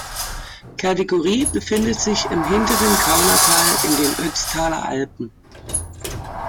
Kategorie befindet sich im hinteren Kaunertal in den Ötztaler Alpen.